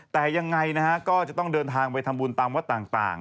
แต่ยังไงนะฮะก็จะต้องเดินทางไปทำบุญตามวัดต่าง